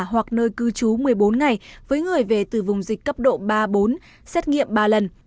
hoặc nơi cư trú một mươi bốn ngày với người về từ vùng dịch cấp độ ba bốn xét nghiệm ba lần